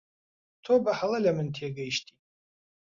تۆ بەهەڵە لە من تێگەیشتی.